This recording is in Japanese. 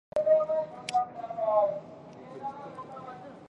明日は少し遠くへ出かける予定です。